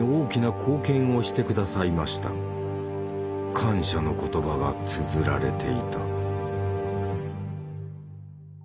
感謝の言葉がつづられていた。